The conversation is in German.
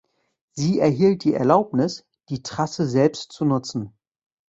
Sie erhielt die Erlaubnis, die Trasse selbst zu nutzen.